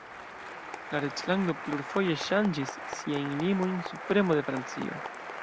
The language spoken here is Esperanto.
La reĝlando plurfoje ŝanĝis siajn limojn, sub premo de Francio.